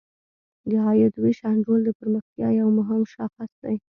د عاید ویش انډول د پرمختیا یو مهم شاخص دی.